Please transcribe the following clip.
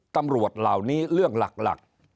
ตำรวจเหล่านี้เรื่องหลัก